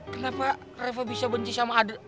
kenapa reva bisa benci sama adik